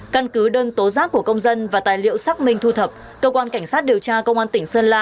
căn cứ đơn tố giác của công dân và tài liệu xác minh thu thập cơ quan cảnh sát điều tra công an tỉnh sơn la